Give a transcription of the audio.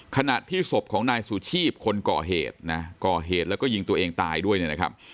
ขณะที่ศพของนายสุชีพคนก่อเหตุนะก่อเหตุแล้วก็ยิงตัวเองตายด้วยเนี่ยนะครับ